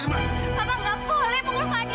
tidak boleh pukul fadil